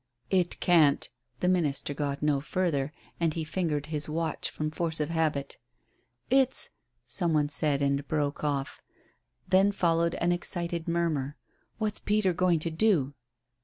"It can't " The minister got no further, and he fingered his watch from force of habit. "It's " some one said and broke off. Then followed an excited murmur. "What's Peter going to do?"